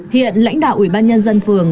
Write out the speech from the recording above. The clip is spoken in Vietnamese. hiện lãnh đạo ủy ban nhân dân phường